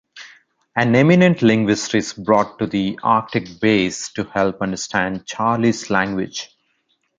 An eminent linguist is brought to the Arctic base to help understand Charlie's language.